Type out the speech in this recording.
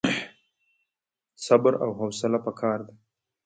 صبر او حوصله پکار ده